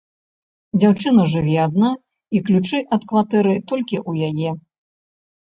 Дзяўчына жыве адна і ключы ад кватэры толькі ў яе.